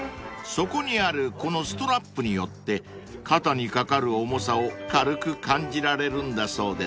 ［底にあるこのストラップによって肩にかかる重さを軽く感じられるんだそうです］